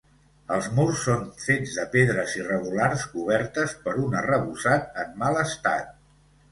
Els murs són fets de pedres irregulars cobertes per un arrebossat en mal estat.